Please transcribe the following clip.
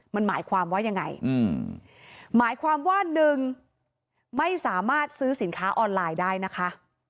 มันหมายความว่ายังไงหมายความว่าหนึ่งไม่สามารถซื้อสินค้าออนไลน์ได้นะคะ